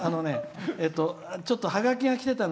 ちょっとハガキが来てたの。